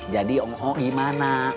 jadi oo gimana